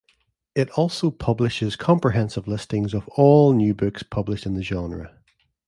It also publishes comprehensive listings of "all" new books published in the genre.